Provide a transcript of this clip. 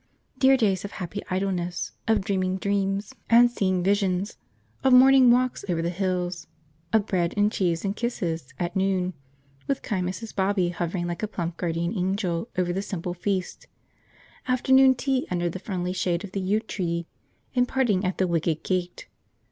Dear days of happy idleness; of dreaming dreams and seeing visions; of morning walks over the hills; of 'bread and cheese and kisses' at noon, with kind Mrs. Bobby hovering like a plump guardian angel over the simple feast; afternoon tea under the friendly shades of the yew tree, and parting at the wicket gate.